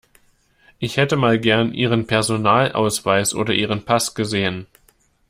Ich hätte mal gern Ihren Personalausweis oder Ihren Pass gesehen.